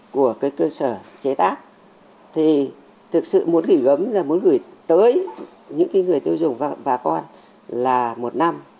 một cái cơ sở chế tác thì thực sự muốn gửi gấm là muốn gửi tới những người tiêu dùng và con là một năm